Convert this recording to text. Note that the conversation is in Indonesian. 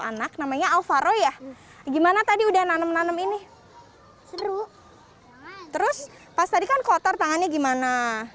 anak namanya alvaro ya gimana tadi udah nanem nanem ini seru terus pas tadi kan kotor tangannya gimana